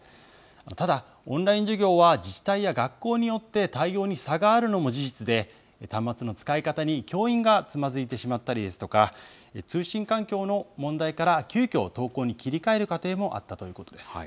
ただ、オンライン授業は自治体や学校によって、対応に差があるのも事実で、端末の使い方に教員がつまずいてしまったりですとか、通信環境の問題から、急きょ、登校に切り替える家庭もあったということです。